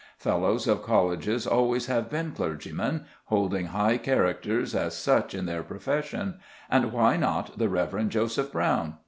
Fellows of colleges always have been clergymen, holding high characters as such in their profession, and why not the Reverend Joseph Brown?